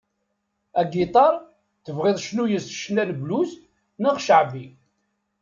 Agiṭar, tebɣiḍ cnu yess ccna n blues neɣ ceɛbi.